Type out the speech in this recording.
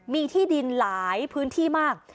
มีที่ดินหลายพื้นที่มาก